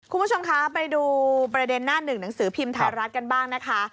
คุณผู้ชมคะไปดูประเด็นหน้าหนึ่งหนังสือพิมพ์ไทยรัฐกันบ้างนะคะ